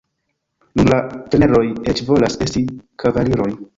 Nun la kelneroj eĉ volas esti kavaliroj.